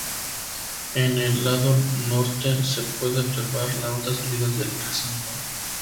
En el lado norte se puede observar la otra salida del recinto.